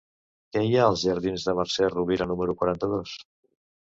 Què hi ha als jardins de Mercè Rovira número quaranta-dos?